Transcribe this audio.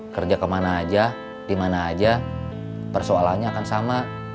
kerja kemana aja dimana aja persoalannya akan sama